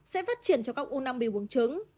sẽ phát triển cho các u năng bị buồn trứng